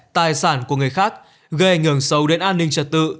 tài sản của người khác gây ảnh hưởng sâu đến an ninh trật tự